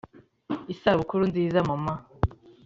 isabukuru nziza mama